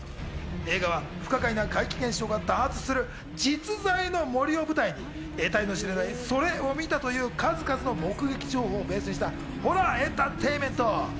映画は不可解な怪奇現象が多発する実在の森を舞台に、得体の知れない「それ」を見たという数々の目撃情報をベースにしたホラーエンターテインメント。